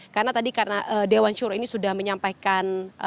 karena tadi dewan syur ini sudah menyampaikan